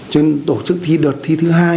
trên tổ chức thi đợt thi thứ hai